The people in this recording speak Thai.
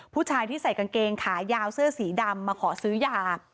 ผู้ชายที่ใส่กางเกงขายาวเสื้อสีดำมาขอซื้อยา